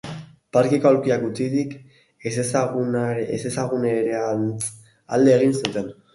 Parkeko aulkia utzirik, ezezagunerantz alde egin zuten.